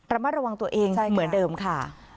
ระมัดระวังตัวเองเหมือนเดิมค่ะ